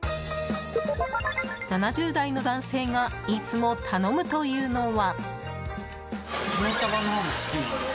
７０代の男性がいつも頼むというのは。